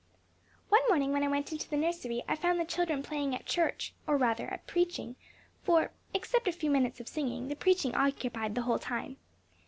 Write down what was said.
"One morning, when I went into the nursery, I found the children playing at church, or rather at preaching; for, except a few minutes of singing, the preaching occupied the whole time.